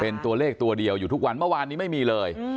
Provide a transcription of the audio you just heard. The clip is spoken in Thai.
เป็นตัวเลขตัวเดียวอยู่ทุกวันเมื่อวานนี้ไม่มีเลย